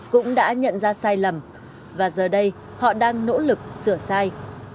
cũng đã nhận ra sai lầm và giờ đây họ đang nỗ lực sửa sai